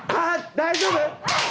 大丈夫？